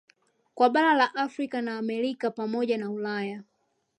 Kwa bara la Afrika na Amerika pamoja na Ulaya